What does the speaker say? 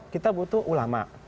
kita butuh ulama